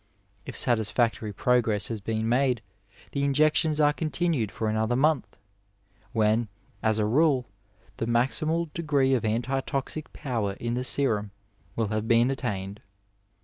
If satisfactory progress has been made, the injections are continued for another month, when, as a rule, the Tnaximal degree of antitoxic power in the serum will have been attained.